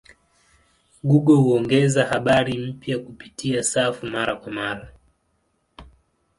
Google huongeza habari mpya kupitia safu mara kwa mara.